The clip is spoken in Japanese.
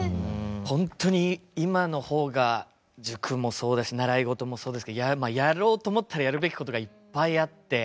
本当に今のほうが塾も習い事もそうですけどやろうと思ったらやるべきことが、いっぱいあって。